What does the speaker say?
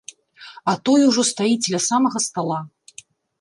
А той ужо стаіць ля самага стала.